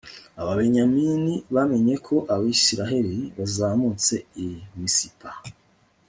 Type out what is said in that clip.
ababenyamini bamenya ko abayisraheli bazamutse i misipa